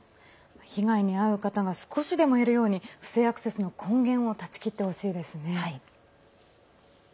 被害に遭う方が少しでも減るように不正アクセスの根源を断ち切ってほしいですね。